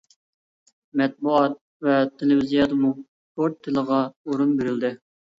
مەتبۇئات ۋە تېلېۋىزىيەدىمۇ كۇرد تىلىغا ئورۇن بېرىلدى.